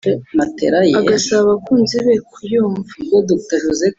agasaba abakunzi be kuyumva